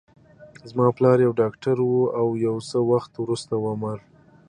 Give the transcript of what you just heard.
زما پلار یو ډاکټر و، او یو څه وخت وروسته ومړ.